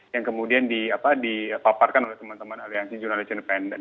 yang kemudian dipaparkan oleh teman teman aliansi jurnalis independen